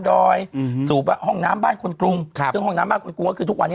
ดอยอืมสูบอ่ะห้องน้ำบ้านคนกรุงครับซึ่งห้องน้ำบ้านคนกรุงก็คือทุกวันนี้